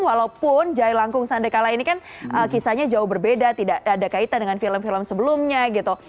walaupun jailangkung sandekala ini kan kisahnya jauh berbeda tidak ada kaitan dengan film film sebelumnya gitu